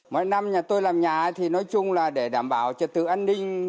mỗi năm nhà tôi làm nhà thì nói chung là để đảm bảo trật tự an ninh